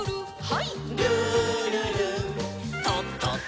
はい。